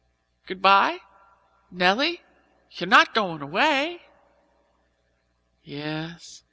"Goodbye? Nelly, you're not going away?" "Yes.